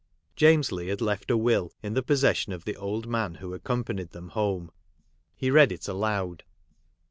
_ James Leigh had left a will, in the posses sion of the old man who accompanied them home. He read it aloud.